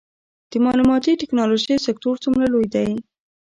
د معلوماتي ټیکنالوژۍ سکتور څومره لوی دی؟